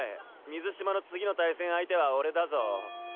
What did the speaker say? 水嶋の次の対戦相手は俺だぞ。